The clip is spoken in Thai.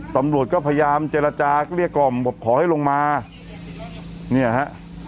ตำรวจก็พยายามเจรจาเกลี้ยกล่อมบอกขอให้ลงมาเนี่ยฮะ